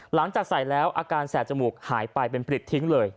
หลังจากใส่แล้วอาการแสบจมูกหายไปเป็นปริดทิ้งเลย